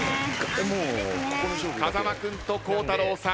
風間君と孝太郎さん